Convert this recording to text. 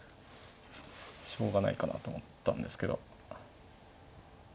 しょうがないかなと思ったんですけど。